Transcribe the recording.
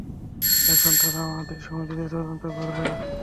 এখন তারা আমাদের সমিতিতে তদন্ত করবে!